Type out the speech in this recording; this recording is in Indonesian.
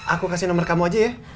aku kasih nomor kamu aja ya